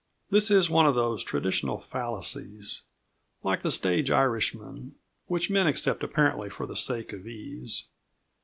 This is one of those traditional fallacies, like the stage Irishman, which men accept apparently for the sake of ease.